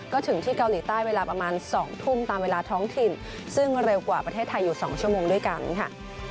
ก็ถึงที่เกาหลีใต้เวลาประมาณ๒ทุ่มตามเวลาท้องถิ่นซึ่งเร็วกว่าประเทศไทยอยู่๒ชั่วโมงด้วยกันค่ะ